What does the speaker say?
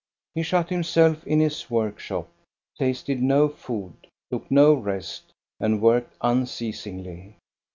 He shut himself in in his workshop, tasted no food, took no rest, and worked unceasingly.